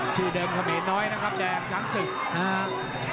ชื่อเดิมเขมรน้อยนะครับแดงชั้นศึก